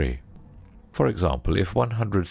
For example, if one hundred c.